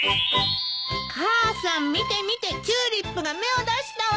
母さん見て見てチューリップが芽を出したわ！